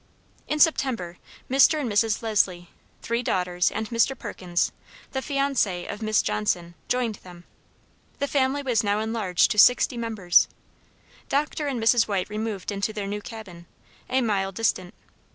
In September, Mr. and Mrs. Leslie, three daughters, and Mr. Perkins the fiancé of Miss Johnson, joined them. The family was now enlarged to sixty members. Dr. and Mrs. White removed into their new cabin a mile distant.